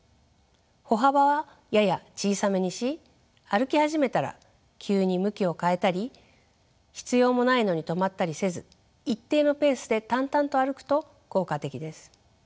歩幅はやや小さめにし歩き始めたら急に向きを変えたり必要もないのに止まったりせず一定のペースで淡々と歩くと効果的です。